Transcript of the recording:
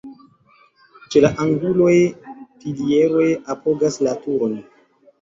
Ĉe la anguloj pilieroj apogas la turon.